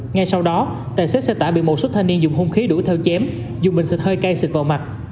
ngay sau đó tài xế xe tải bị một số thanh niên dùng hung khí đuổi theo chém dùng bình xịt hơi cay xịt vào mặt